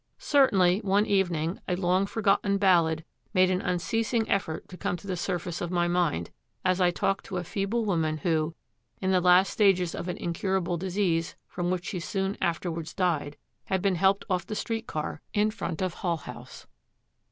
Certainly one evening a long forgotten ballad made an unceasing effort to come to the surface of my mind, as I talked to a feeble woman who, in the last stages of an incurable disease from which she soon afterwards died, had been helped off the street car in front of Hull House.